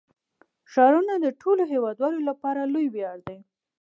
ښارونه د ټولو هیوادوالو لپاره لوی ویاړ دی.